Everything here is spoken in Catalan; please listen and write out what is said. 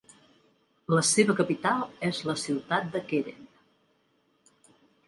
La seva capital és la ciutat de Keren.